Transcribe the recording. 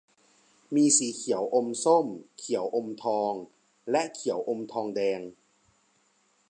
มีสีเขียวอมส้ม เขียวอมทอง และเขียวอมทองแดง